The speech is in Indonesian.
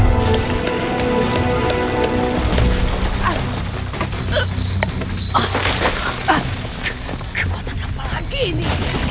kekuatan yang paling gini